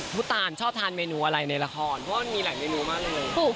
ผู้ตานชอบทานเมนูอะไรในละครเพราะว่ามันมีหลายเมนูมากเลย